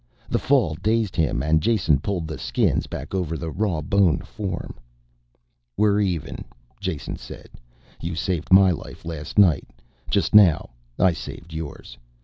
The fall dazed him and Jason pulled the skins back over the raw boned form. "We're even," Jason said. "You saved my life last night, just now I saved yours.